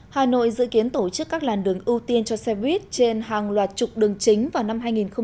hà nội dự kiến tổ chức các làn đường ưu tiên cho xe buýt trên hàng loạt trục đường chính vào năm hai nghìn hai mươi